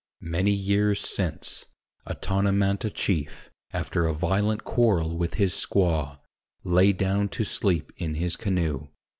Many years since, a Tonemanta chief, after a violent quarrel with his squaw, lay down to sleep in his canoe.